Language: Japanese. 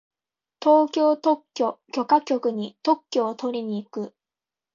東京特許許可局に特許をとりに行く。